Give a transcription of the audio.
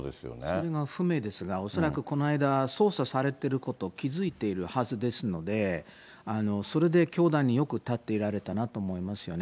それが不明ですが、恐らくこの間、捜査されていること気付いているはずですので、それで教壇によく立っていられたなと思いますよね。